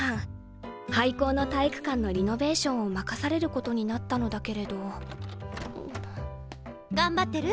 廃校の体育館のリノベーションを任されることになったのだけれど頑張ってる？